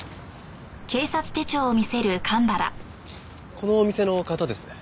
このお店の方ですね？